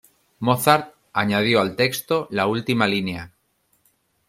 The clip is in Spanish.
Mozart añadió al texto la última línea.